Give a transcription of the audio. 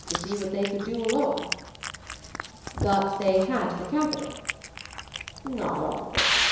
to see what they could do alone." "But they had the capital?" "Not all of it.